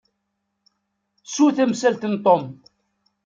Ttu tamsalt n Tom.